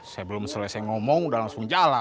saya belum selesai ngomong udah langsung jalan